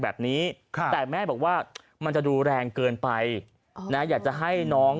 แบบนี้แต่แม่บอกว่ามันจะดูแรงเกินไปนะอยากจะให้น้อง